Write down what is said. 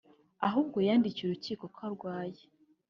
ahubwo yandikiye urukiko ko arwaye